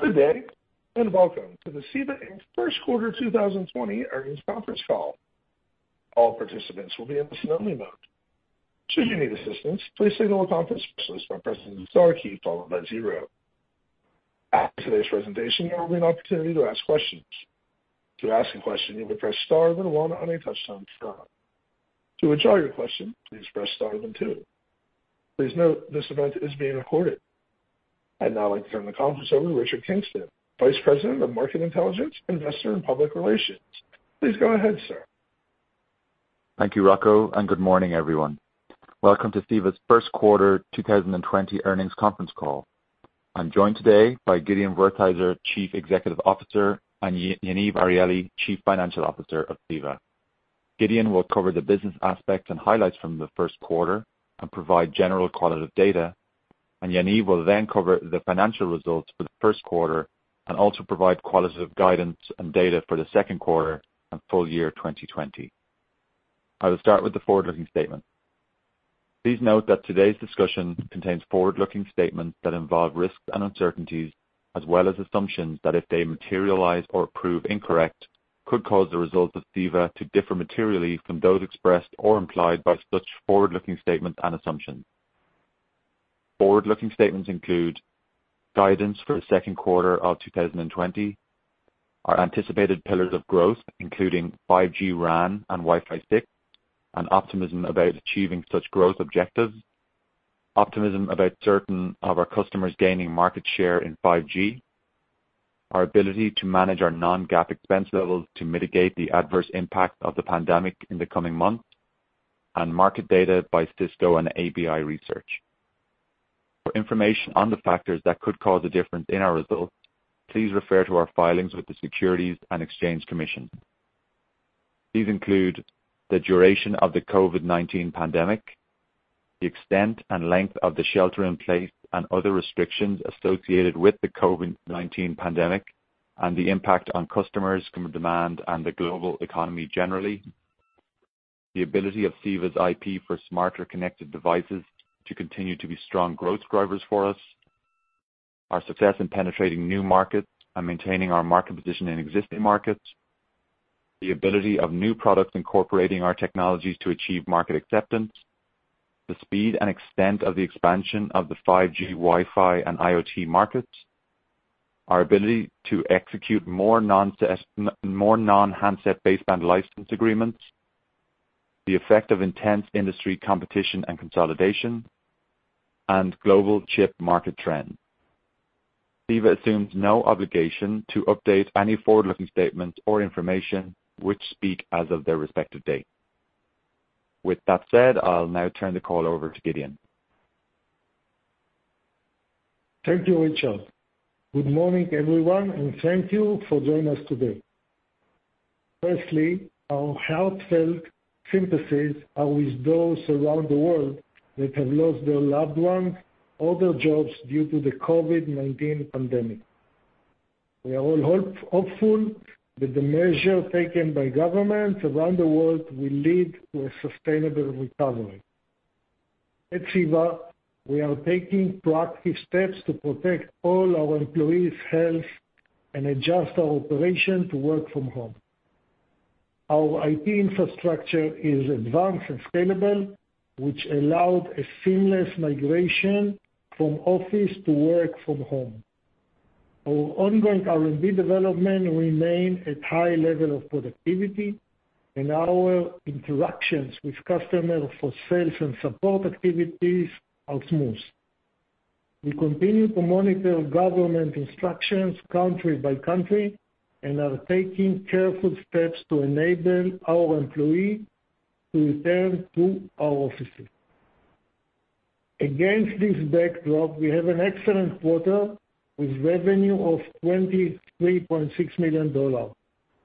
Good day, welcome to the CEVA Inc. first quarter 2020 earnings conference call. All participants will be in listen only mode. Should you need assistance, please signal the conference host by pressing the star key followed by zero. After today's presentation, there will be an opportunity to ask questions. To ask a question, you may press star then one on a touch-tone phone. To withdraw your question, please press star then two. Please note this event is being recorded. I'd now like to turn the conference over to Richard Kingston, Vice President of Market Intelligence, Investor and Public Relations. Please go ahead, sir. Thank you, Rocco, and good morning, everyone. Welcome to CEVA's first quarter 2020 earnings conference call. I'm joined today by Gideon Wertheizer, Chief Executive Officer, and Yaniv Arieli, Chief Financial Officer of CEVA. Gideon will cover the business aspects and highlights from the first quarter and provide general qualitative data, and Yaniv will then cover the financial results for the first quarter and also provide qualitative guidance and data for the second quarter and full year 2020. I will start with the forward-looking statement. Please note that today's discussion contains forward-looking statements that involve risks and uncertainties, as well as assumptions that, if they materialize or prove incorrect, could cause the results of CEVA to differ materially from those expressed or implied by such forward-looking statements and assumptions. Forward-looking statements include guidance for the second quarter of 2020, our anticipated pillars of growth, including 5G RAN and Wi-Fi 6, and optimism about achieving such growth objectives, optimism about certain of our customers gaining market share in 5G, our ability to manage our non-GAAP expense levels to mitigate the adverse impact of the pandemic in the coming months, and market data by Cisco and ABI Research. For information on the factors that could cause a difference in our results, please refer to our filings with the Securities and Exchange Commission. These include the duration of the COVID-19 pandemic, the extent and length of the shelter in place and other restrictions associated with the COVID-19 pandemic and the impact on customers from demand and the global economy generally. The ability of CEVA's IP for smarter connected devices to continue to be strong growth drivers for us. Our success in penetrating new markets and maintaining our market position in existing markets. The ability of new products incorporating our technologies to achieve market acceptance. The speed and extent of the expansion of the 5G Wi-Fi and IoT markets. Our ability to execute more non-handset baseband license agreements. The effect of intense industry competition and consolidation, and global chip market trends. CEVA assumes no obligation to update any forward-looking statements or information which speak as of their respective date. With that said, I'll now turn the call over to Gideon. Thank you, Richard. Good morning, everyone, and thank you for joining us today. Firstly, our heartfelt sympathies are with those around the world that have lost their loved ones or their jobs due to the COVID-19 pandemic. We are all hopeful that the measure taken by governments around the world will lead to a sustainable recovery. At CEVA, we are taking proactive steps to protect all our employees' health and adjust our operation to work from home. Our IP infrastructure is advanced and scalable, which allowed a seamless migration from office to work from home. Our ongoing R&D development remain at high level of productivity, and our interactions with customers for sales and support activities are smooth. We continue to monitor government instructions country by country and are taking careful steps to enable our employee to return to our offices. Against this backdrop, we have an excellent quarter with revenue of $23.6 million,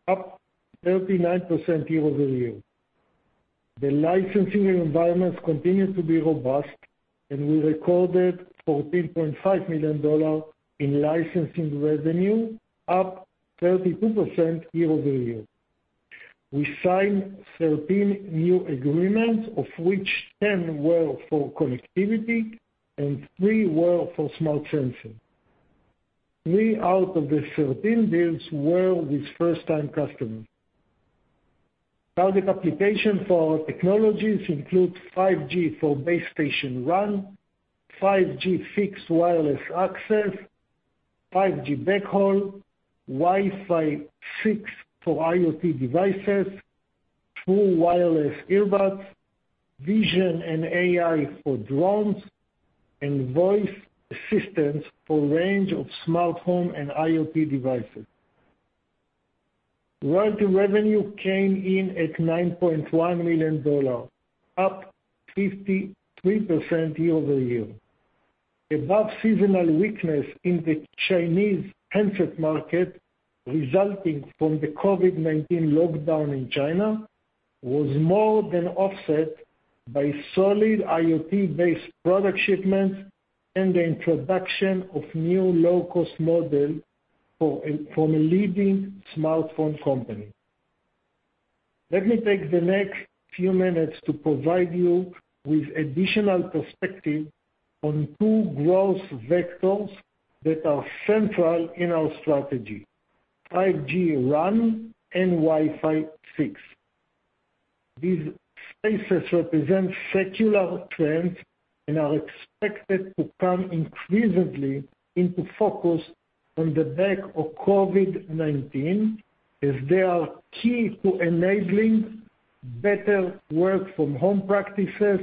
up 39% year-over-year. The licensing environment continues to be robust, and we recorded $14.5 million in licensing revenue, up 32% year-over-year. We signed 13 new agreements, of which 10 were for connectivity and three were for smart sensing. Three out of the 13 deals were with first-time customers. Target application for our technologies include 5G for base station RAN, 5G fixed wireless access, 5G backhaul, Wi-Fi 6 for IoT devices, full wireless earbuds, vision and AI for drones, and voice assistance for range of smartphone and IoT devices. Royalty revenue came in at $9.1 million, up 53% year-over-year. Above seasonal weakness in the Chinese handset market resulting from the COVID-19 lockdown in China was more than offset by solid IoT-based product shipments and the introduction of new low-cost model from a leading smartphone company. Let me take the next few minutes to provide you with additional perspective on two growth vectors that are central in our strategy, 5G RAN and Wi-Fi 6. These spaces represent secular trends and are expected to come increasingly into focus on the back of COVID-19, as they are key to enabling better work from home practices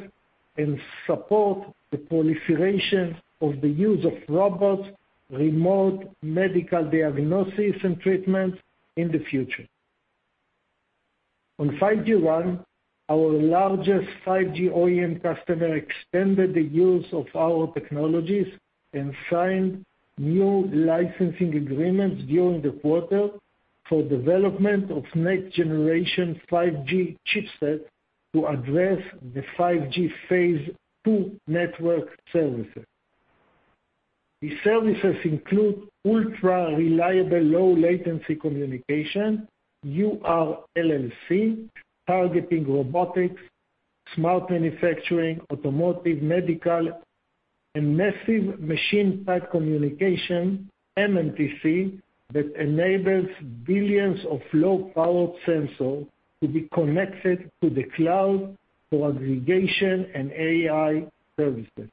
and support the proliferation of the use of robots, remote medical diagnoses, and treatments in the future. On 5G RAN, our largest 5G OEM customer extended the use of our technologies and signed new licensing agreements during the quarter for development of next-generation 5G chipsets to address the 5G phase two network services. These services include ultra-reliable low latency communication, URLLC, targeting robotics, smart manufacturing, automotive, medical, and massive machine-type communication, MMTC, that enables billions of low-power sensors to be connected to the cloud for aggregation and AI services.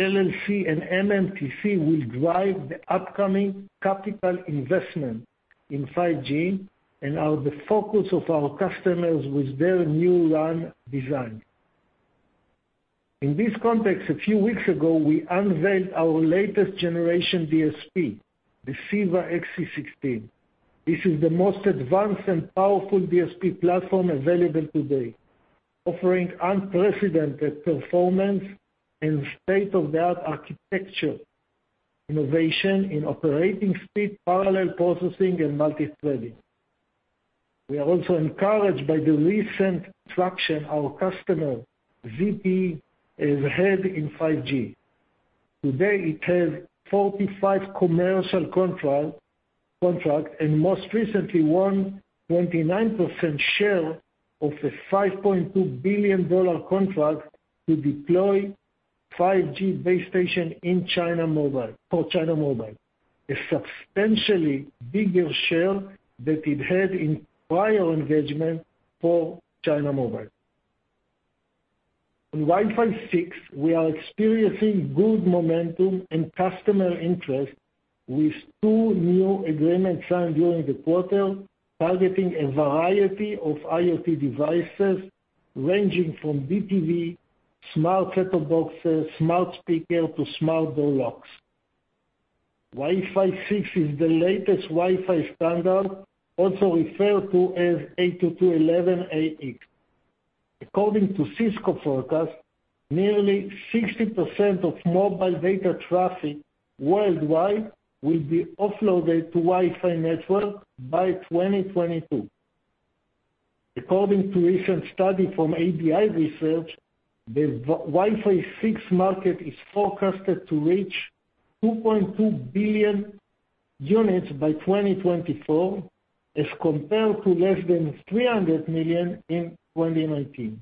URLLC and MMTC will drive the upcoming capital investment in 5G and are the focus of our customers with their new RAN design. In this context, a few weeks ago, we unveiled our latest generation DSP, the CEVA-XC16. This is the most advanced and powerful DSP platform available today, offering unprecedented performance and state-of-the-art architecture, innovation in operating speed, parallel processing, and multithreading. We are also encouraged by the recent traction our customer, ZTE, has had in 5G. Today, it has 45 commercial contracts, and most recently won 29% share of the $5.2 billion contract to deploy 5G base station for China Mobile, a substantially bigger share than it had in prior engagement for China Mobile. In Wi-Fi 6, we are experiencing good momentum and customer interest with two new agreements signed during the quarter, targeting a variety of IoT devices ranging from DTV, smart set-top boxes, smart speaker, to smart door locks. Wi-Fi 6 is the latest Wi-Fi standard, also referred to as 802.11ax. According to Cisco forecast, nearly 60% of mobile data traffic worldwide will be offloaded to Wi-Fi network by 2022. According to a recent study from ABI Research, the Wi-Fi 6 market is forecasted to reach 2.2 billion units by 2024 as compared to less than 300 million in 2019.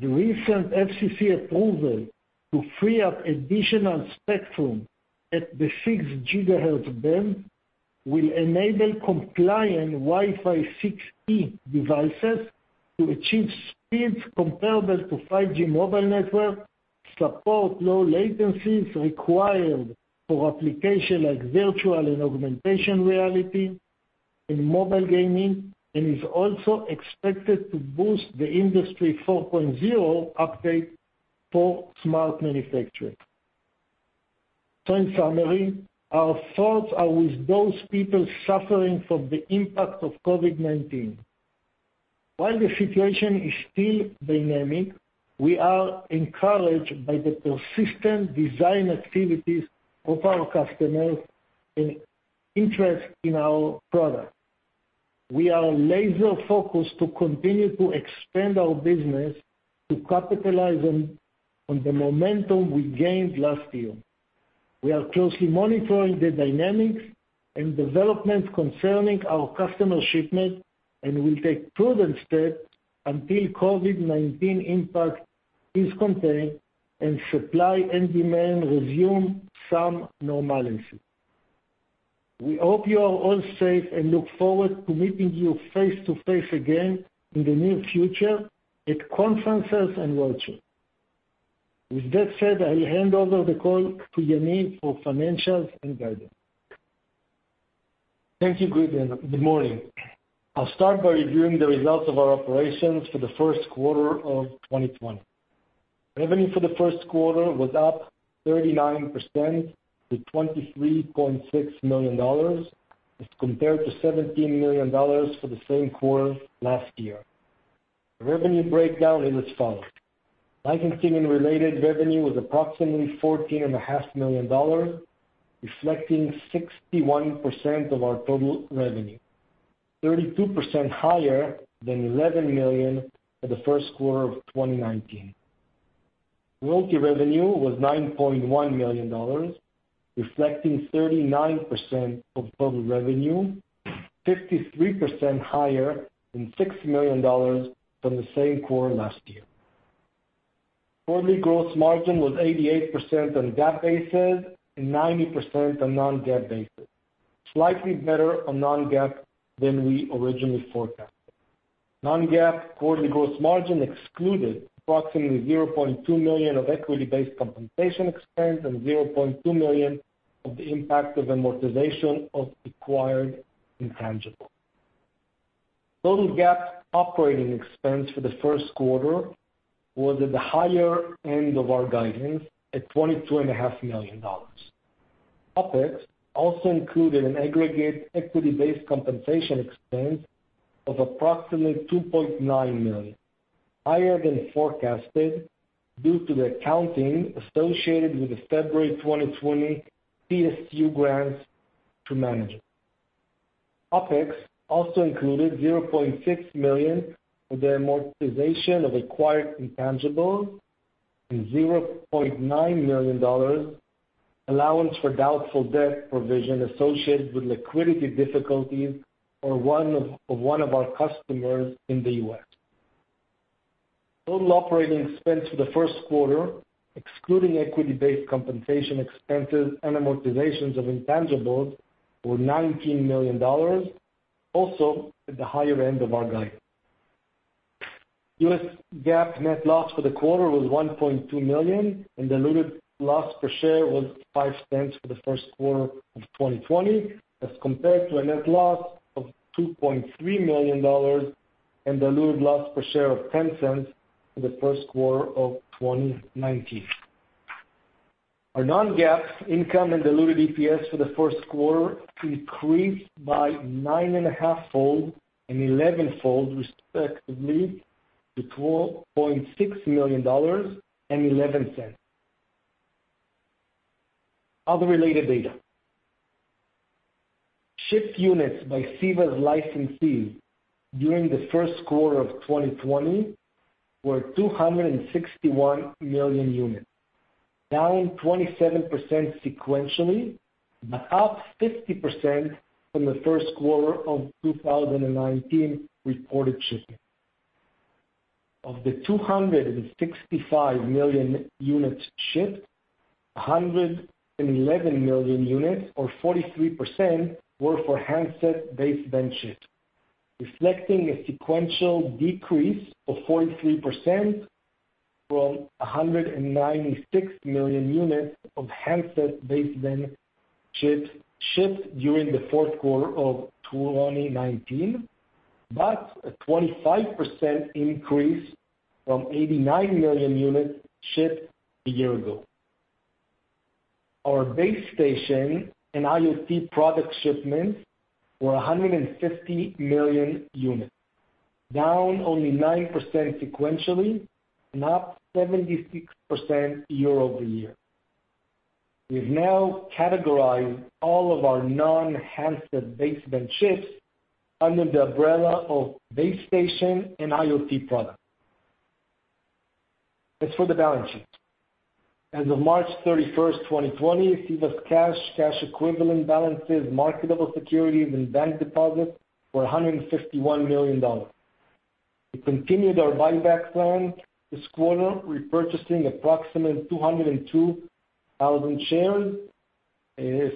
The recent FCC approval to free up additional spectrum at the 6 GHz band will enable compliant Wi-Fi 6E devices to achieve speeds comparable to 5G mobile network, support low latencies required for applications like virtual and augmentation reality and mobile gaming, and is also expected to boost the Industry 4.0 update for smart manufacturing. In summary, our thoughts are with those people suffering from the impact of COVID-19. While the situation is still dynamic, we are encouraged by the persistent design activities of our customers and interest in our product. We are laser-focused to continue to expand our business to capitalize on the momentum we gained last year. We are closely monitoring the dynamics and developments concerning our customer shipment and will take prudent steps until COVID-19 impact is contained and supply and demand resume some normalcy. We hope you are all safe and look forward to meeting you face-to-face again in the near future at conferences and workshops. With that said, I'll hand over the call to Yaniv for financials and guidance. Thank you, Gideon. Good morning. I'll start by reviewing the results of our operations for the first quarter of 2020. Revenue for the first quarter was up 39% to $23.6 million as compared to $17 million for the same quarter last year. The revenue breakdown is as follows: licensing and related revenue was approximately $14.5 million, reflecting 61% of our total revenue, 32% higher than $11 million for the first quarter of 2019. Royalty revenue was $9.1 million, reflecting 39% of total revenue, 53% higher than $6 million from the same quarter last year. Quarterly gross margin was 88% on GAAP basis and 90% on non-GAAP basis, slightly better on non-GAAP than we originally forecasted. Non-GAAP quarterly gross margin excluded approximately $0.2 million of equity-based compensation expense and $0.2 million of the impact of amortization of acquired intangibles. Total GAAP operating expense for the first quarter was at the higher end of our guidance at $22.5 million. OpEx also included an aggregate equity-based compensation expense of approximately $2.9 million, higher than forecasted, due to the accounting associated with the February 2020 PSU grants to managers. OpEx also included $0.6 million for the amortization of acquired intangibles and $0.9 million allowance for doubtful debt provision associated with liquidity difficulties for one of our customers in the U.S. Total operating expense for the first quarter, excluding equity-based compensation expenses and amortizations of intangibles, were $19 million, also at the higher end of our guidance. U.S. GAAP net loss for the quarter was $1.2 million, diluted loss per share was $0.05 for the first quarter of 2020, as compared to a net loss of $2.3 million and diluted loss per share of $0.10 for the first quarter of 2019. Our non-GAAP income and diluted EPS for the first quarter increased by 9.5-fold and 11-fold, respectively, to $12.6 million and $0.11. Other related data. Shipped units by CEVA's licensees during the first quarter of 2020 were 261 million units, down 27% sequentially, up 50% from the first quarter of 2019 reported shipments. Of the 265 million units shipped, 111 million units or 43% were for handset baseband chips, reflecting a sequential decrease of 43% from 196 million units of handset baseband chips shipped during the fourth quarter of 2019, a 25% increase from 89 million units shipped a year ago. Our base station and IoT product shipments were 150 million units, down only 9% sequentially and up 76% year-over-year. We've now categorized all of our non-handset baseband chips under the umbrella of base station and IoT products. As for the balance sheet, as of March 31st, 2020, CEVA's cash equivalent balances, marketable securities, and bank deposits were $151 million. We continued our buyback plan this quarter, repurchasing approximately 202,000 shares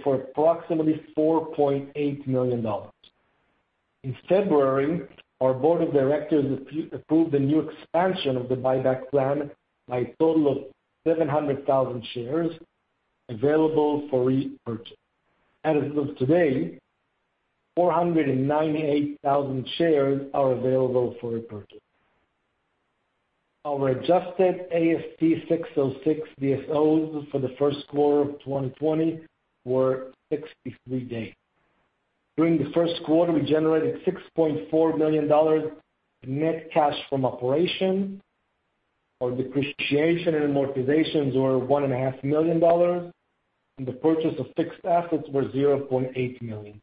for approximately $4.8 million. In February, our board of directors approved a new expansion of the buyback plan by a total of 700,000 shares available for repurchase. As of today, 498,000 shares are available for purchase. Our adjusted ASC 606 DSOs for the first quarter of 2020 were 63 days. During the first quarter, we generated $6.4 million net cash from operation. Our depreciation and amortizations were $1.5 million, and the purchase of fixed assets were $0.8 million.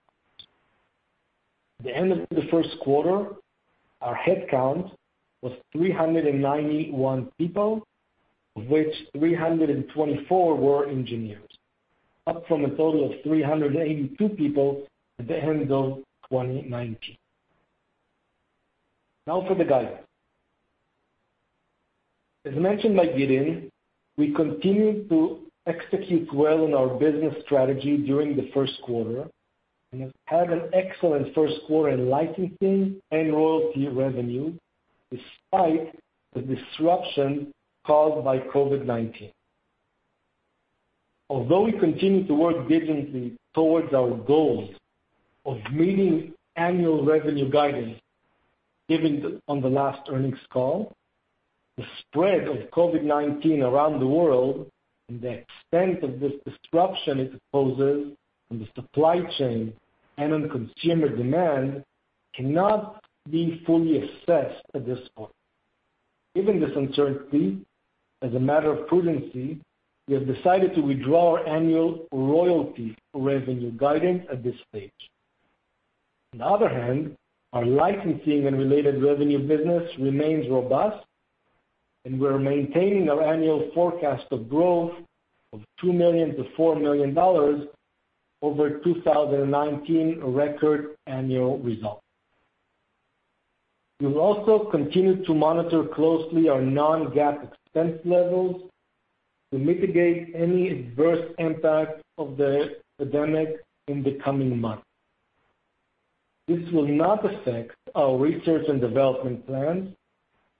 At the end of the first quarter, our headcount was 391 people, of which 324 were engineers, up from a total of 382 people at the end of 2019. Now for the guidance. As mentioned by Gideon, we continued to execute well in our business strategy during the first quarter and have had an excellent first quarter in licensing and royalty revenue despite the disruption caused by COVID-19. Although we continue to work diligently towards our goals of meeting annual revenue guidance given on the last earnings call, the spread of COVID-19 around the world and the extent of this disruption it poses on the supply chain and on consumer demand cannot be fully assessed at this point. Given this uncertainty, as a matter of prudency, we have decided to withdraw our annual royalty revenue guidance at this stage. On the other hand, our licensing and related revenue business remains robust, and we're maintaining our annual forecast of growth of $2 million to $4 million over 2019 record annual result. We will also continue to monitor closely our non-GAAP expense levels to mitigate any adverse impact of the pandemic in the coming months. This will not affect our research and development plans,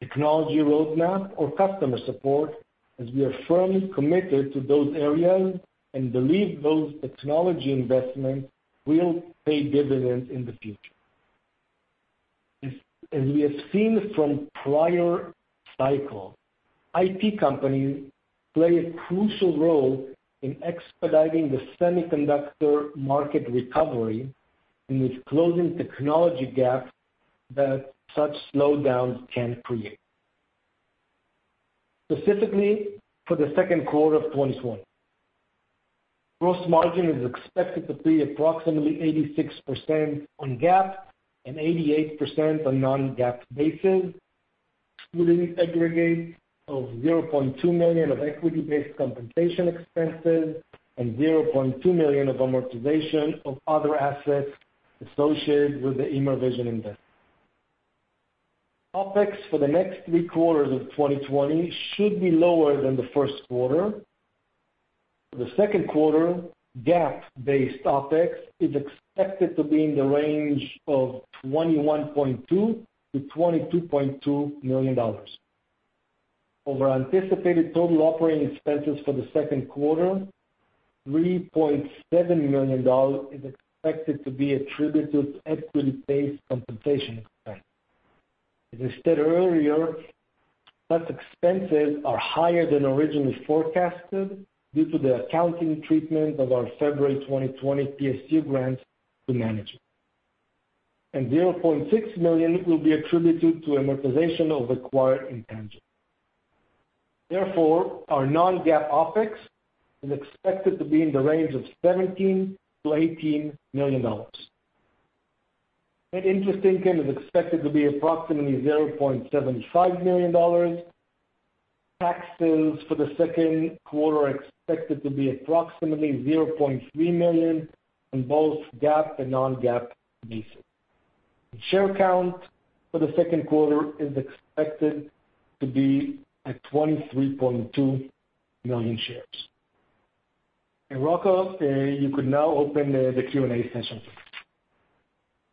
technology roadmap, or customer support, as we are firmly committed to those areas and believe those technology investments will pay dividends in the future. As we have seen from prior cycles, IT companies play a crucial role in expediting the semiconductor market recovery and with closing technology gaps that such slowdowns can create. Specifically, for the second quarter of 2020, gross margin is expected to be approximately 86% on GAAP and 88% on non-GAAP basis, excluding aggregate of $0.2 million of equity-based compensation expenses and $0.2 million of amortization of other assets associated with the Immervision investment. OpEx for the next three quarters of 2020 should be lower than the first quarter. For the second quarter, GAAP-based OpEx is expected to be in the range of $21.2 million-$22.2 million. Over anticipated total operating expenses for the second quarter, $3.7 million is expected to be attributed to equity-based compensation expense. As I stated earlier, such expenses are higher than originally forecasted due to the accounting treatment of our February 2020 PSU grant to managers. $0.6 million will be attributed to amortization of acquired intangibles. Therefore, our non-GAAP OPEX is expected to be in the range of $17 million-$18 million. Net interest income is expected to be approximately $0.75 million. Taxes for the second quarter are expected to be approximately $0.3 million on both GAAP and non-GAAP basis. The share count for the second quarter is expected to be at 23.2 million shares. Rocco, you could now open the Q&A session.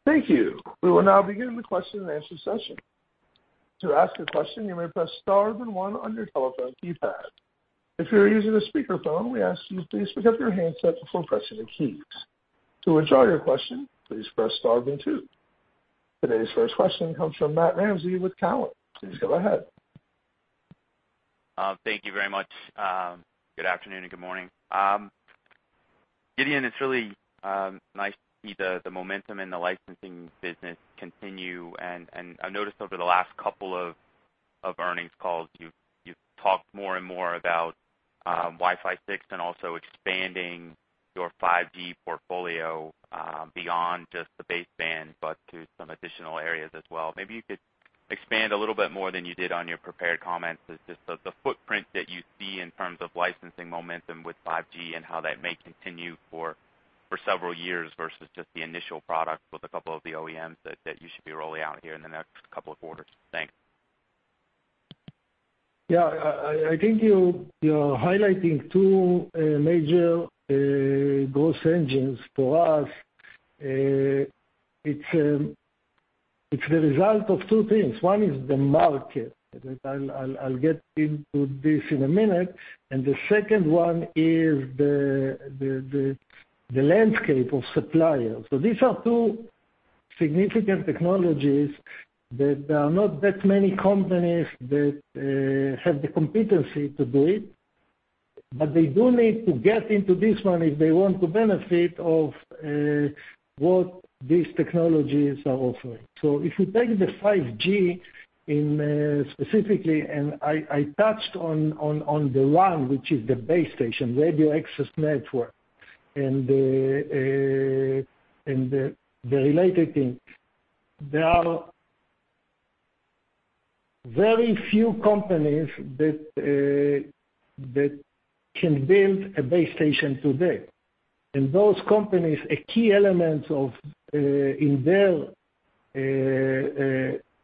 Thank you. We will now begin the question and answer session. To ask a question, you may press star then one on your telephone keypad. If you're using a speakerphone, we ask you to please pick up your handset before pressing the keys. To withdraw your question, please press star then two. Today's first question comes from Matt Ramsay with Cowen. Please go ahead. Thank you very much. Good afternoon and good morning. Gideon, it's really nice to see the momentum in the licensing business continue. I've noticed over the last couple of earnings calls, you've talked more and more about Wi-Fi 6 and also expanding your 5G portfolio, beyond just the baseband, but to some additional areas as well. Maybe you could expand a little bit more than you did on your prepared comments, just the footprint that you see in terms of licensing momentum with 5G and how that may continue for several years versus just the initial product with a couple of the OEMs that you should be rolling out here in the next couple of quarters. Thanks. Yeah. I think you're highlighting two major growth engines for us. It's the result of two things. One is the market, that I'll get into this in a minute. The second one is the landscape of suppliers. These are two significant technologies that there are not that many companies that have the competency to do it. They do need to get into this one if they want to benefit of what these technologies are offering. If you take the 5G in specifically, and I touched on the RAN, which is the base station, radio access network, and the related things. There are very few companies that can build a base station today. Those companies, a key element in their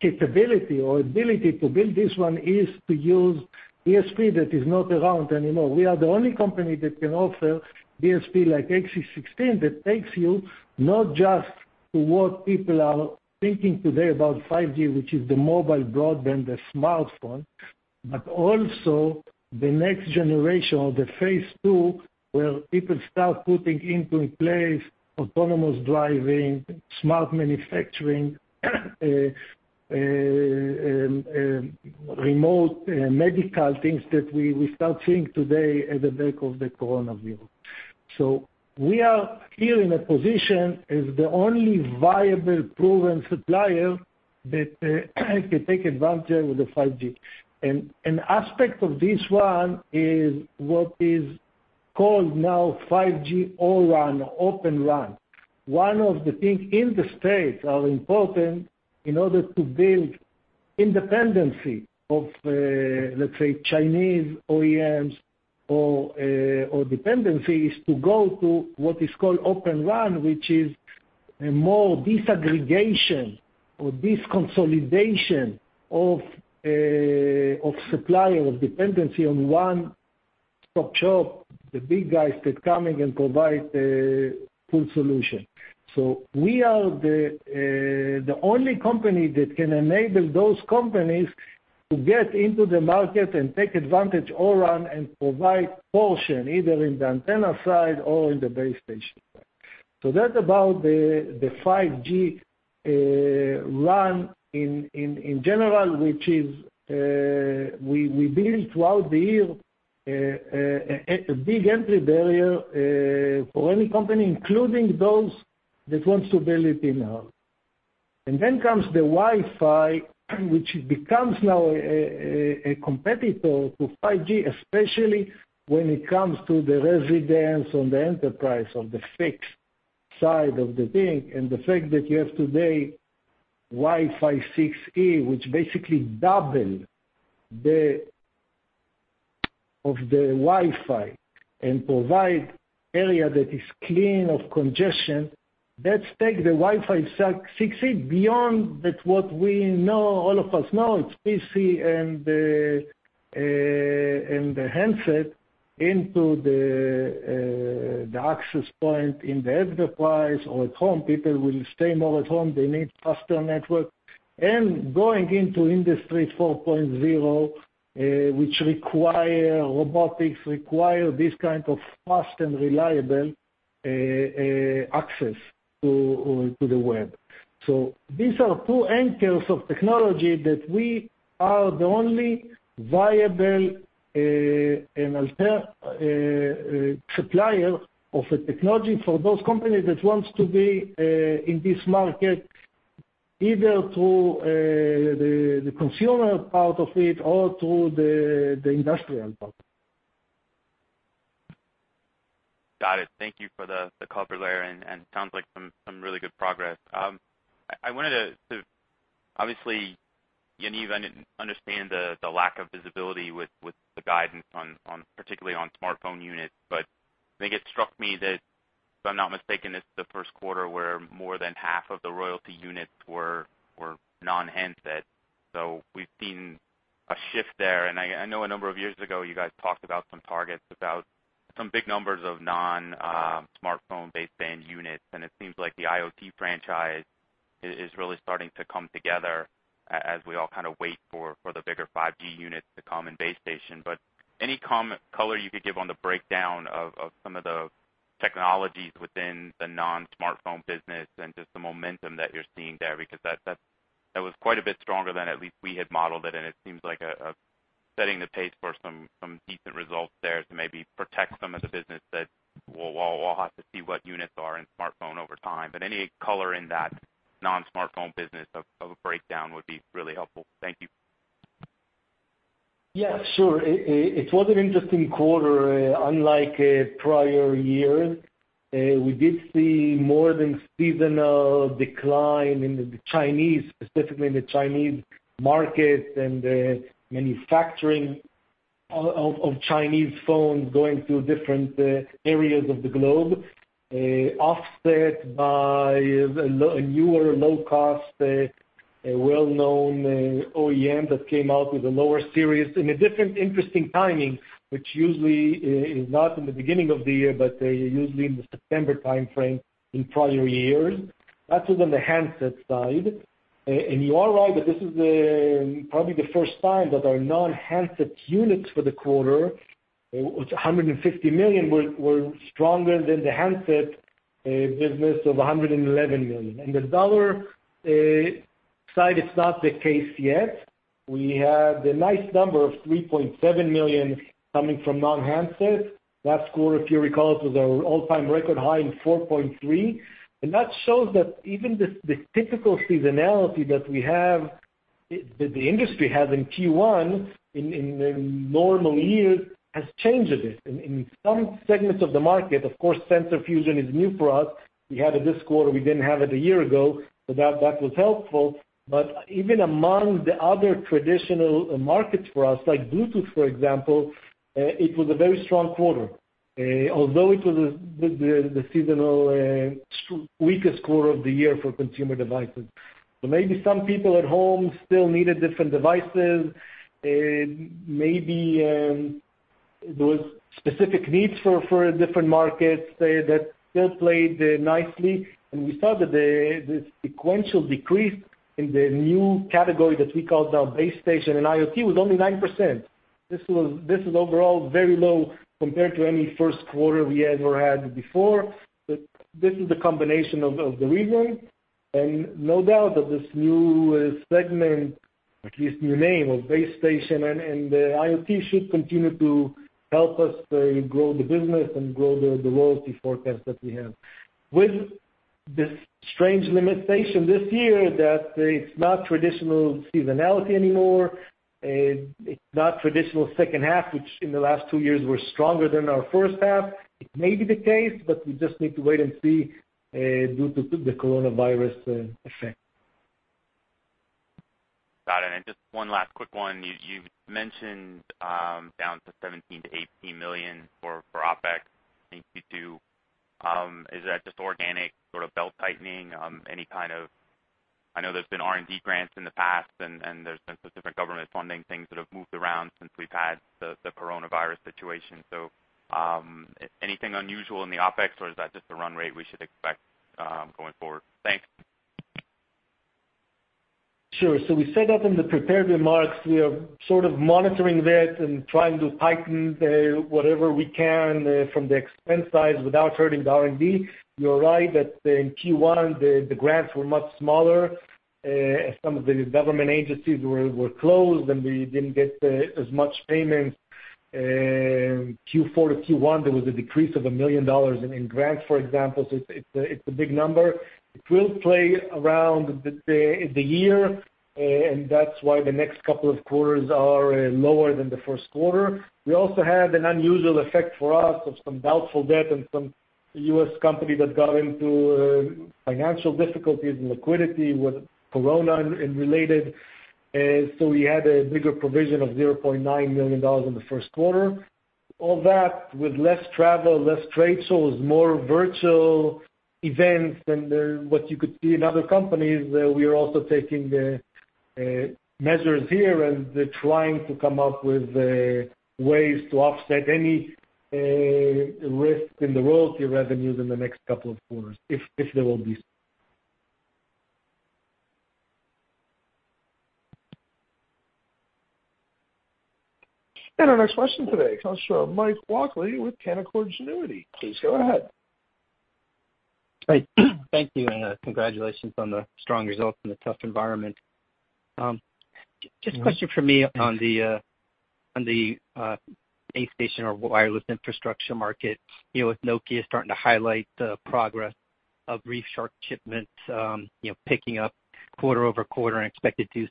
capability or ability to build this one is to use DSP that is not around anymore. We are the only company that can offer DSP like CEVA-XC16 that takes you not just to what people are thinking today about 5G, which is the mobile broadband, the smartphone, but also the next generation or the phase two where people start putting into place autonomous driving, smart manufacturing, remote medical things that we start seeing today at the back of the coronavirus. We are here in a position as the only viable proven supplier that can take advantage with the 5G. An aspect of this one is what is called now 5G O-RAN, Open RAN. One of the things in the States are important in order to build independency of, let's say, Chinese OEMs or dependencies to go to what is called Open RAN, which is a more disaggregation or disconsolidation of supplier, of dependency on one stop shop, the big guys that come in and provide a full solution. We are the only company that can enable those companies to get into the market and take advantage O-RAN, and provide portion, either in the antenna side or in the base station. That's about the 5G RAN in general, which is, we built throughout the year a big entry barrier for any company, including those that want to build it in-house. Then comes the Wi-Fi, which becomes now a competitor to 5G, especially when it comes to the residence on the enterprise, on the fixed side of the thing. The fact that you have today Wi-Fi 6E, which basically double of the Wi-Fi and provide area that is clean of congestion. Let's take the Wi-Fi 6E beyond that what we know, all of us know, it's PC and the handset into the access point in the enterprise or at home. People will stay more at home, they need faster network. Going into Industry 4.0, which require robotics, require this kind of fast and reliable access to the web. These are two anchors of technology that we are the only viable supplier of a technology for those companies that wants to be in this market, either through the consumer part of it or through the industrial part. Got it. Thank you for the color there. Sounds like some really good progress. Obviously, I understand the lack of visibility with the guidance, particularly on smartphone units. I think it struck me that, if I'm not mistaken, this is the first quarter where more than half of the royalty units were non-handset. We've seen a shift there, and I know a number of years ago, you guys talked about some targets, about some big numbers of non-smartphone baseband units, and it seems like the IoT franchise is really starting to come together as we all kind of wait for the bigger 5G units to come in base station. Any color you could give on the breakdown of some of the technologies within the non-smartphone business and just the momentum that you're seeing there, because that was quite a bit stronger than at least we had modeled it, and it seems like setting the pace for some decent results there to maybe protect some of the business that we'll have to see what units are in smartphone over time. Any color in that non-smartphone business of a breakdown would be really helpful. Thank you. Yeah, sure. It was an interesting quarter. Unlike prior years, we did see more than seasonal decline in the Chinese, specifically in the Chinese market and the manufacturing of Chinese phones going to different areas of the globe, offset by a newer, low-cost, well-known OEM that came out with a lower series in a different interesting timing, which usually is not in the beginning of the year, but usually in the September timeframe in prior years. That is on the handset side. You are right that this is probably the first time that our non-handset units for the quarter, it was 150 million, were stronger than the handset business of 111 million. In the dollar side, it's not the case yet. We have the nice number of $3.7 million coming from non-handset. Last quarter, if you recall, it was our all-time record high in $4.3 million. That shows that even the typical seasonality that the industry has in Q1 in normal years has changed a bit. In some segments of the market, of course, sensor fusion is new for us. We had it this quarter, we didn't have it a year ago, that was helpful. Even among the other traditional markets for us, like Bluetooth, for example, it was a very strong quarter, although it was the seasonal weakest quarter of the year for consumer devices. Maybe some people at home still needed different devices. Maybe there was specific needs for different markets that still played nicely. We saw that the sequential decrease in the new category that we call now base station and IoT was only 9%. This is overall very low compared to any first quarter we ever had before. This is the combination of the reasons, and no doubt that this new segment, at least new name of base station and IoT should continue to help us grow the business and grow the royalty forecast that we have. This strange limitation this year that it's not traditional seasonality anymore, it's not traditional second half, which in the last two years were stronger than our first half. It may be the case, we just need to wait and see due to the coronavirus effect. Got it. Just one last quick one. You've mentioned down to $17 million-$18 million for OpEx. Thank you. Is that just organic sort of belt-tightening? I know there's been R&D grants in the past and there's been some different government funding things that have moved around since we've had the coronavirus situation. Anything unusual in the OpEx, or is that just a run rate we should expect, going forward? Thanks. Sure. We said that in the prepared remarks, we are sort of monitoring that and trying to tighten whatever we can from the expense side without hurting the R&D. You're right that in Q1, the grants were much smaller, as some of the government agencies were closed, and we didn't get as much payments. Q4 to Q1, there was a decrease of $1 million in grants, for example. It's a big number. It will play around the year, and that's why the next couple of quarters are lower than the first quarter. We also had an unusual effect for us of some doubtful debt and some U.S. company that got into financial difficulties and liquidity with COVID-19 and related. We had a bigger provision of $0.9 million in the first quarter. All that with less travel, less trade shows, more virtual events than what you could see in other companies. We are also taking measures here and trying to come up with ways to offset any risk in the royalty revenues in the next couple of quarters, if there will be. Our next question today comes from Mike Walkley with Canaccord Genuity. Please go ahead. Hi. Thank you. Congratulations on the strong results in a tough environment. Just a question from me on the base station or wireless infrastructure market. With Nokia starting to highlight the progress of ReefShark shipments picking up quarter-over-quarter and ZTE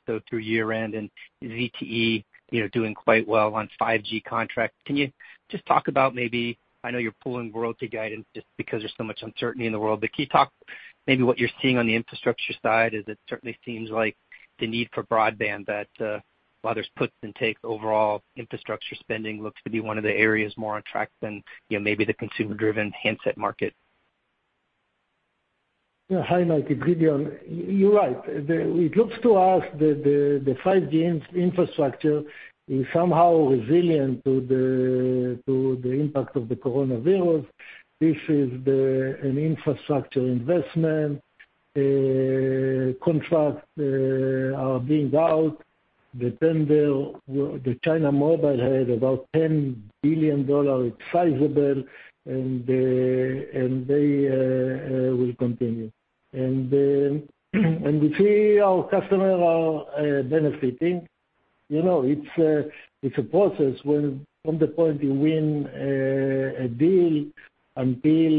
doing quite well on 5G contracts. Can you just talk about maybe, I know you're pulling royalty guidance just because there's so much uncertainty in the world, but can you talk maybe what you're seeing on the infrastructure side? It certainly seems like the need for broadband that while there's puts and takes, overall infrastructure spending looks to be one of the areas more on track than maybe the consumer-driven handset market. Yeah. Hi, Mike. It's Gideon. You're right. It looks to us the 5G infrastructure is somehow resilient to the impact of the coronavirus. This is an infrastructure investment. Contracts are being out. The China Mobile had about $10 billion. It's sizable, and they will continue. We see our customers are benefiting. It's a process when, from the point you win a deal until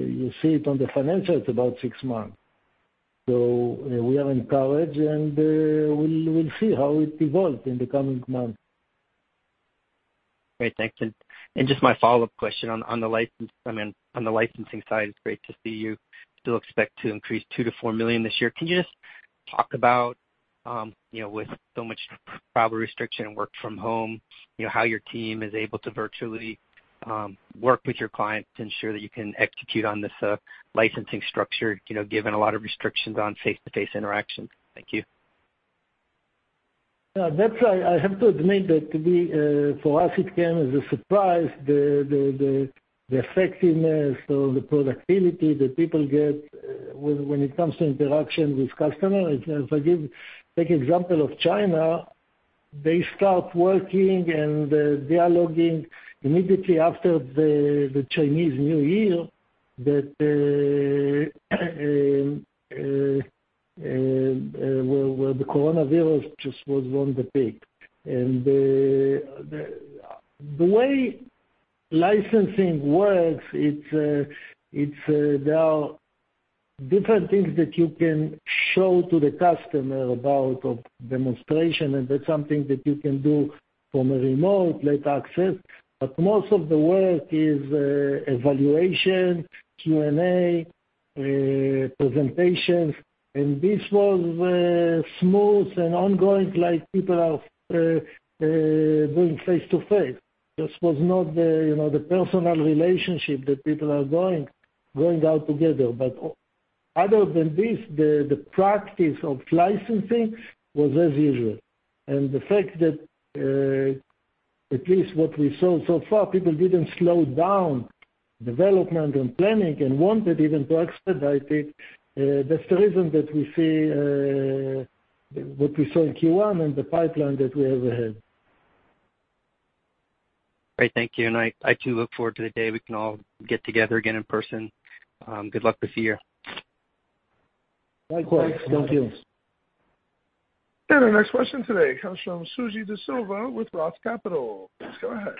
you see it on the financials, about six months. We are encouraged, and we'll see how it evolves in the coming months. Great. Thanks. Just my follow-up question on the licensing side, it's great to see you still expect to increase $2 million-$4 million this year. Can you just talk about, with so much travel restriction and work from home, how your team is able to virtually work with your clients to ensure that you can execute on this licensing structure, given a lot of restrictions on face-to-face interactions? Thank you. I have to admit that for us, it came as a surprise, the effectiveness of the productivity that people get when it comes to interaction with customers. If I take example of China, they start working and they are logging immediately after the Chinese New Year, where the coronavirus just was on the peak. The way licensing works, there are different things that you can show to the customer about demonstration, and that's something that you can do from a remote, like access. Most of the work is evaluation, Q&A, presentations. This was smooth and ongoing, like people are doing face-to-face. Just was not the personal relationship that people are going out together. Other than this, the practice of licensing was as usual. The fact that, at least what we saw so far, people didn't slow down development and planning and wanted even to expedite it. That's the reason that we see what we saw in Q1 and the pipeline that we ever had. Great. Thank you. I too look forward to the day we can all get together again in person. Good luck this year. Right. Of course. No fears. Our next question today comes from Suji Desilva with ROTH Capital. Please go ahead.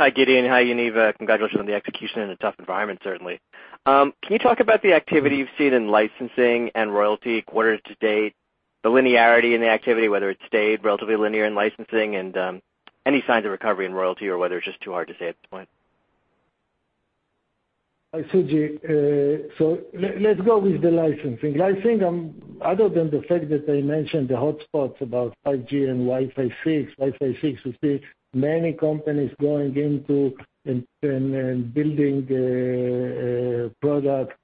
Hi, Gideon. Hi, Yaniv. Congratulations on the execution in a tough environment, certainly. Can you talk about the activity you've seen in licensing and royalty quarter to date, the linearity in the activity, whether it's stayed relatively linear in licensing, and any signs of recovery in royalty or whether it's just too hard to say at this point? Hi, Suji. Let's go with the licensing. Licensing, other than the fact that I mentioned the hotspots about 5G and Wi-Fi 6, Wi-Fi 6 we see many companies going into and building products.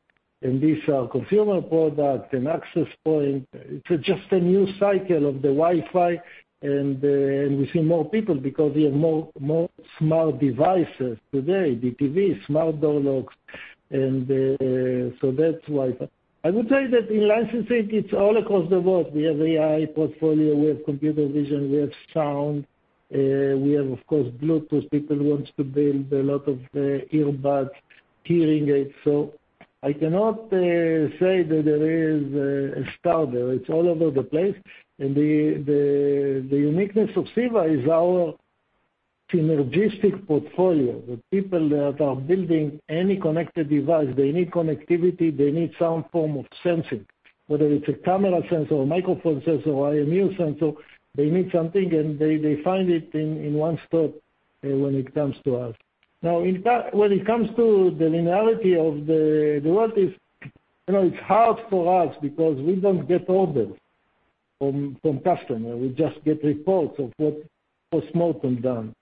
These are consumer products and access point. It's just a new cycle of the Wi-Fi, we see more people because we have more smart devices today, the TV, smart door locks. That's Wi-Fi. I would say that in licensing, it's all across the board. We have AI portfolio, we have computer vision, we have sound, we have, of course, Bluetooth. People want to build a lot of earbuds, hearing aids. I cannot say that there is a star there. It's all over the place. The uniqueness of CEVA is our synergistic portfolio. The people that are building any connected device, they need connectivity, they need some form of sensing, whether it's a camera sensor or a microphone sensor or IMU sensor, they need something, and they find it in one stop when it comes to us. When it comes to the linearity of the world, it's hard for us because we don't get orders from customer. We just get reports of what post-mortem done.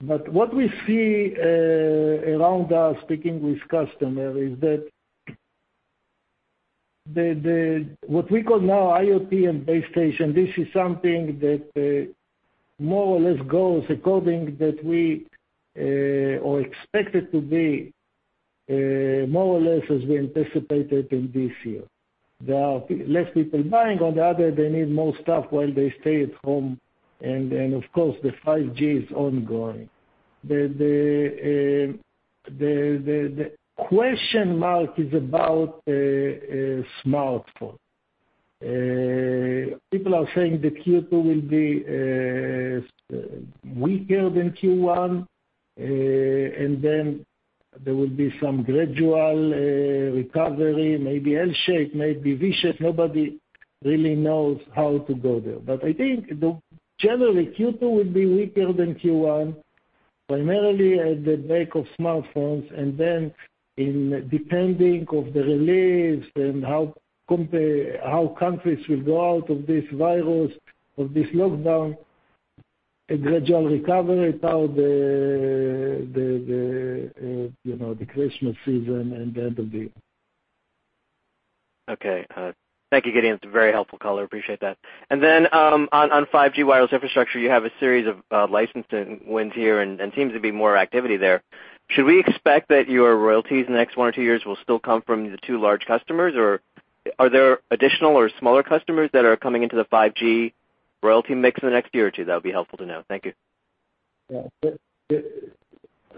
What we see around us speaking with customer is that what we call now IoT and base station, this is something that more or less goes according that we or expected to be more or less as we anticipated in this year. There are less people buying. On the other, they need more stuff while they stay at home. Of course, the 5G is ongoing. The question mark is about smartphone. People are saying that Q2 will be weaker than Q1, there will be some gradual recovery, maybe L-shape, maybe V-shape. Nobody really knows how to go there. I think, generally, Q2 will be weaker than Q1, primarily at the back of smartphones. Depending of the release and how countries will go out of this virus, of this lockdown, a gradual recovery toward the Christmas season and the end of the year. Okay. Thank you, Gideon. It's a very helpful color. Appreciate that. Then, on 5G wireless infrastructure, you have a series of licensing wins here, and seems to be more activity there. Should we expect that your royalties in the next one or two years will still come from the two large customers, or are there additional or smaller customers that are coming into the 5G royalty mix in the next year or two? That would be helpful to know. Thank you.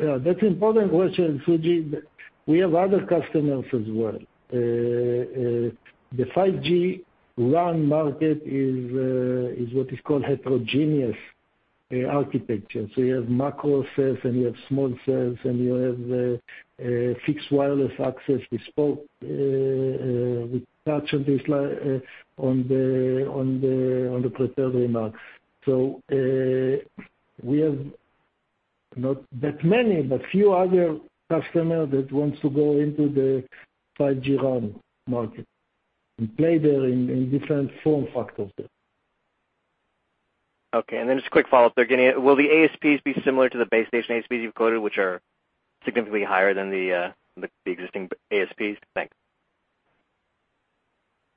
That's important question, Suji. We have other customers as well. The 5G RAN market is what is called heterogeneous architecture. You have macro cells, and you have small cells, and you have fixed wireless access. We touched on the prepared remarks. We have not that many, but few other customers that want to go into the 5G RAN market and play there in different form factors there. Okay. Just a quick follow-up there, Gideon. Will the ASPs be similar to the base station ASPs you've quoted, which are significantly higher than the existing ASPs? Thanks.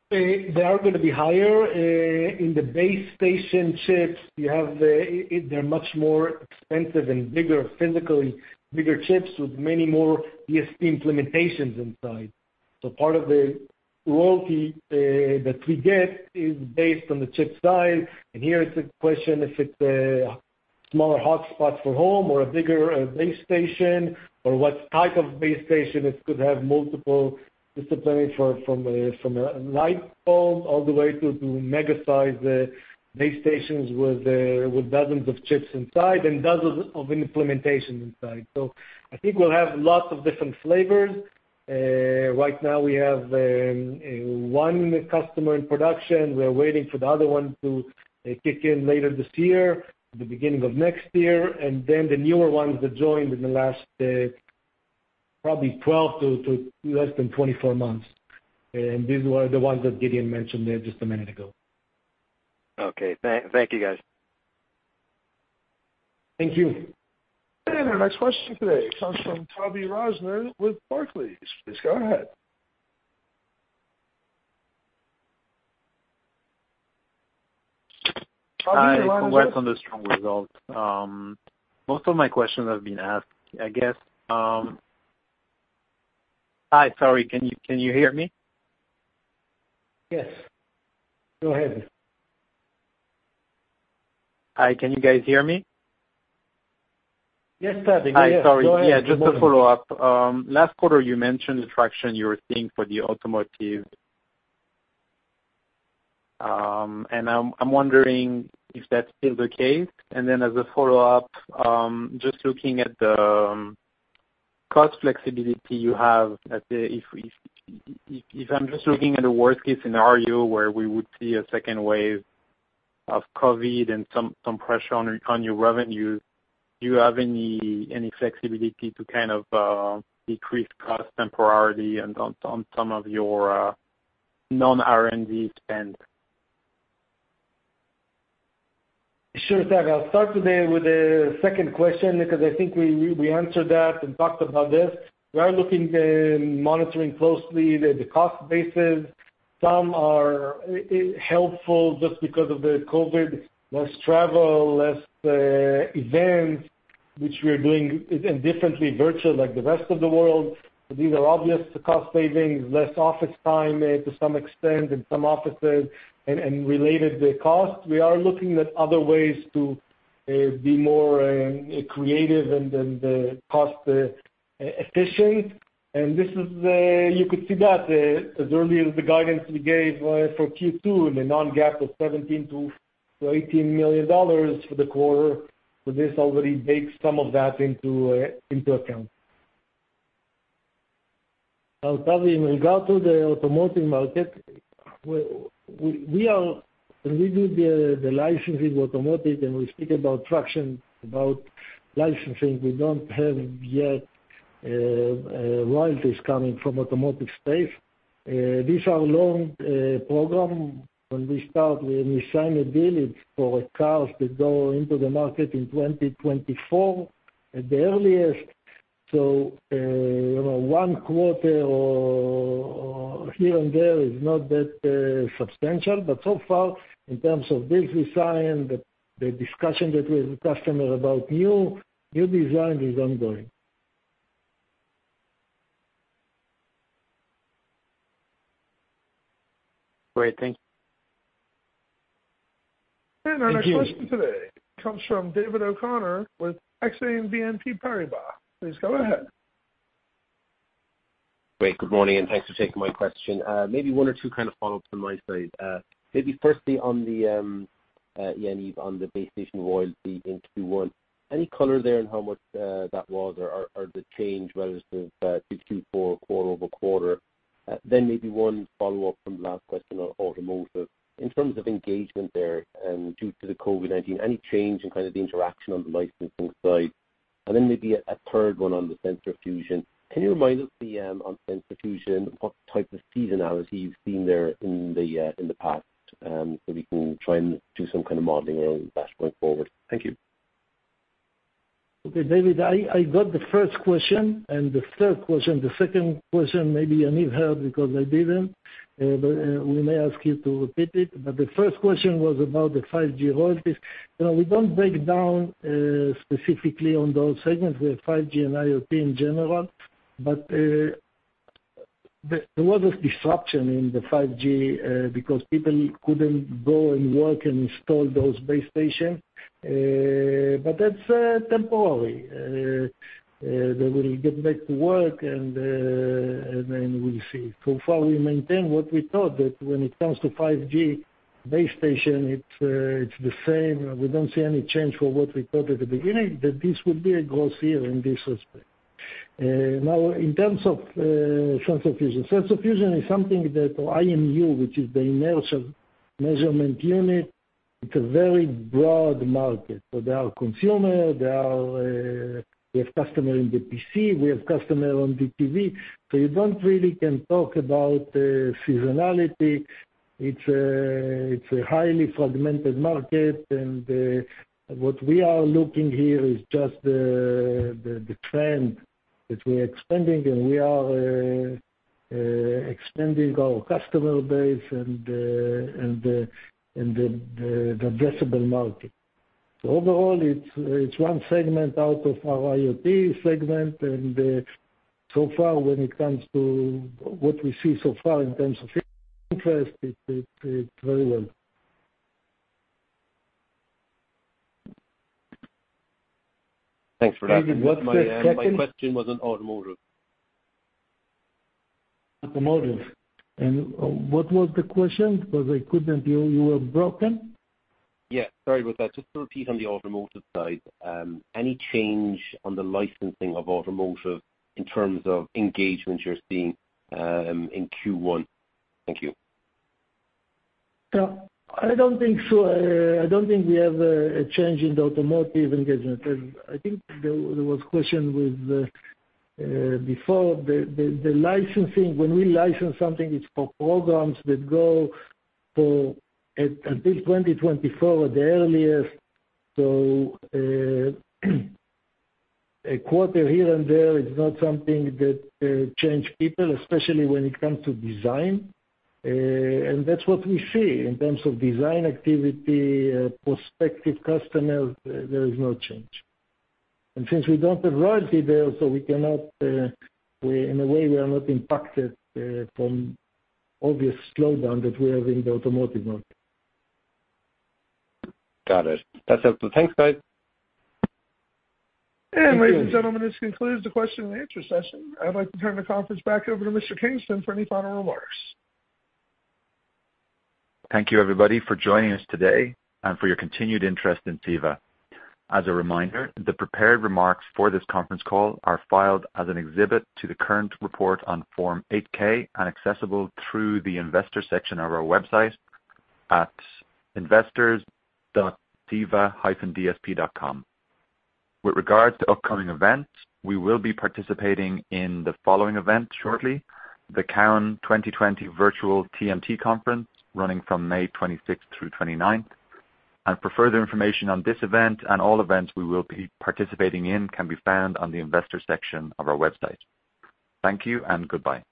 They are going to be higher. In the base station chips, they're much more expensive and bigger physically, bigger chips with many more DSP implementations inside. Part of the royalty that we get is based on the chip size. Here is the question if it's a smaller hotspot for home or a bigger base station or what type of base station, it could have multiple disciplines from a light form all the way to mega size base stations with dozens of chips inside and dozens of implementations inside. I think we'll have lots of different flavors. Right now we have one customer in production. We're waiting for the other one to kick in later this year or the beginning of next year. The newer ones that joined in the last probably 12 to less than 24 months. These were the ones that Gideon mentioned there just a minute ago. Okay. Thank you, guys. Thank you. Our next question today comes from Tavy Rosner with Barclays. Please go ahead. Hi. Tavy. Congrats on the strong results. Most of my questions have been asked, I guess. Hi, sorry. Can you hear me? Yes. Go ahead. Hi. Can you guys hear me? Yes, Tavy. Go ahead. Hi. Sorry. Just a follow-up. Last quarter, you mentioned the traction you were seeing for the automotive. I'm wondering if that's still the case. As a follow-up, just looking at the cost flexibility you have, if I'm just looking at a worst-case scenario where we would see a second wave of COVID and some pressure on your revenues, do you have any flexibility to decrease cost temporarily on some of your non-R&D spend? Sure, Tavy. I'll start today with the second question because I think we answered that and talked about this. We are looking and monitoring closely the cost basis. Some are helpful just because of the COVID, less travel, less events, which we are doing differently virtual like the rest of the world. These are obvious cost savings, less office time to some extent in some offices, and related costs. We are looking at other ways to be more creative and cost-efficient. You could see that as early as the guidance we gave for Q2 in the non-GAAP of $17 million-$18 million for the quarter. This already bakes some of that into account. Tavy, in regard to the automotive market, when we do the licensing automotive and we speak about traction, about licensing, we don't have yet royalties coming from automotive space. These are long program. When we sign a deal, it's for cars that go into the market in 2024 at the earliest. One quarter or here and there is not that substantial. So far, in terms of deals we signed, the discussion that we have with customer about new designs is ongoing. Great. Thank you. Thank you. Our next question today comes from David O'Connor with Exane BNP Paribas. Please go ahead. Great. Good morning. Thanks for taking my question. Maybe one or two follow-ups from my side. Maybe firstly, Yaniv, on the base station royalty in Q1. Any color there on how much that was or the change relative to Q4 quarter-over-quarter? Maybe one follow-up from the last question on automotive. In terms of engagement there due to the COVID-19, any change in the interaction on the licensing side? Maybe a third one on the sensor fusion. Can you remind us on sensor fusion what type of seasonality you've seen there in the past so we can try and do some kind of modeling around that going forward? Thank you. Okay, David, I got the first question and the third question. The second question, maybe Yaniv help because I didn't. We may ask you to repeat it. The first question was about the 5G royalties. We don't break down specifically on those segments, the 5G and IoT in general. There was a disruption in the 5G because people couldn't go and work and install those base stations. That's temporary. They will get back to work and then we'll see. So far, we maintain what we thought, that when it comes to 5G base station, it's the same. We don't see any change for what we thought at the beginning, that this would be a growth year in this respect. Now, in terms of sensor fusion. Sensor fusion is something that IMU, which is the Inertial Measurement Unit, it's a very broad market. There are consumer, we have customer in the PC, we have customer on the TV. You don't really can talk about seasonality. It's a highly fragmented market, and what we are looking here is just the trend that we're expanding, and we are expanding our customer base and the addressable market. Overall, it's one segment out of our IoT segment. So far, when it comes to what we see so far in terms of interest, it's very well. Thanks for that. David, what's the second-? My question was on automotive. Automotive. What was the question? Because you were broken. Yeah. Sorry about that. Just to repeat on the automotive side. Any change on the licensing of automotive in terms of engagement you're seeing in Q1? Thank you. I don't think so. I don't think we have a change in the automotive engagement. I think there was question before. The licensing, when we license something, it's for programs that go until 2024 at the earliest. A quarter here and there is not something that change people, especially when it comes to design. That's what we see in terms of design activity, prospective customers, there is no change. Since we don't have royalty there, so in a way, we are not impacted from obvious slowdown that we have in the automotive market. Got it. That's helpful. Thanks, guys. Thank you. Ladies and gentlemen, this concludes the question and answer session. I'd like to turn the conference back over to Mr. Kingston for any final remarks. Thank you everybody for joining us today and for your continued interest in CEVA. As a reminder, the prepared remarks for this conference call are filed as an exhibit to the current report on Form 8-K and accessible through the investor section of our website at investors.ceva-ip.com. With regards to upcoming events, we will be participating in the following event shortly, the Cowen 2020 Virtual TMT Conference, running from May 26th through 29th. For further information on this event and all events we will be participating in can be found on the investor section of our website. Thank you and goodbye.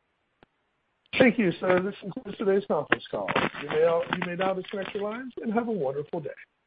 Thank you, sir. This concludes today's conference call. You may now disconnect your lines and have a wonderful day.